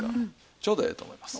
ちょうどええと思います。